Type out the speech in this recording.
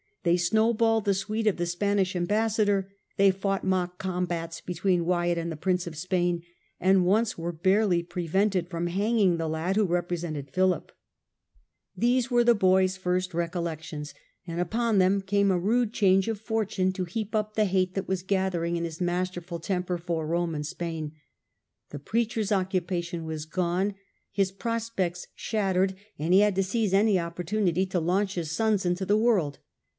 They snowballed the suite of the Spanish Ambassador, they fought mock combats between Wyatt and the Prince of Spain, and once were barely prevented from hanging the lad who represented Philip. 1 .".'^ 6 SIR FRANCIS DRAKE chap. These were the boy's first recollections, and upon them came a rude change of fortune to heap up the hate that was gathering in his masterful temper for Kome and Spain. The preacher's occupation was gone, his pro spects shattered, and he had to seize any opportunity to launch his sons into the world.